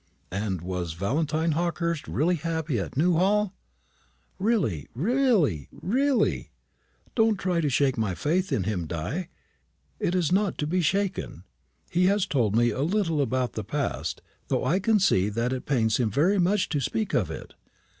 "And was Valentine Hawkehurst really happy at Newhall?" "Really really really! Don't try to shake my faith in him, Diana; it is not to be shaken. He has told me a little about the past, though I can see that it pains him very much to speak of it.